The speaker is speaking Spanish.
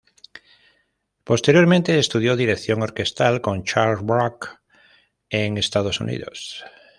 Posteriormente estudió dirección orquestal con Charles Bruck en Estados Unidos.